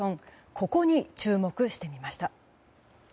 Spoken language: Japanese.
ここに注目してみました。